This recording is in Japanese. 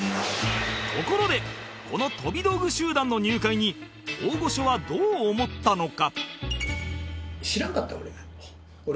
ところでこの飛び道具集団の入会に大御所はどう思ったのか？